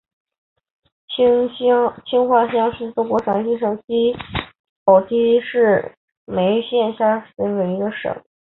青化乡是中国陕西省宝鸡市眉县下辖的一个乡。